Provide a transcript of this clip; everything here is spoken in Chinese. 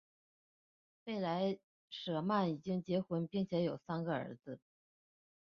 弗莱舍曼已经结婚并且有三个儿子。